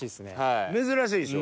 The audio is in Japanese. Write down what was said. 珍しいでしょ？